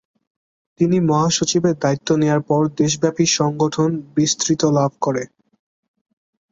তিনি মহাসচিবের দায়িত্ব নেয়ার পর দেশব্যাপী সংগঠন বিস্তৃত লাভ করে।